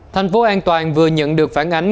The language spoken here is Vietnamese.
thành phố an toàn vừa nhận được phản ánh